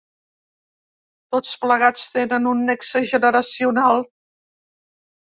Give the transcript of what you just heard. Tots plegats tenen un nexe generacional.